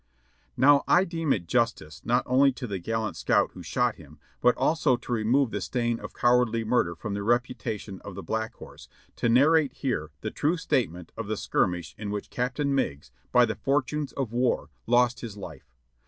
Now I deem it justice, not only to the gallant scout who shot him, but also to remove the stain of cowardly murder from the reputation of the Black Horse, to narrate here the true statement of the skirmish in which Captain Meigs, by the fortunes of war, lost his life.